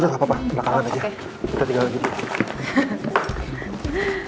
udah gak apa apa belakangan aja